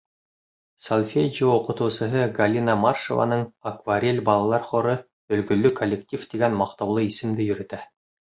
Сольфеджио уҡытыусыһы Галина Маршеваның «Акварель» балалар хоры «Өлгөлө коллектив» тигән маҡтаулы исемде йөрөтә.